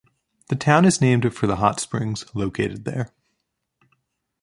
The town is named for the hot springs located there.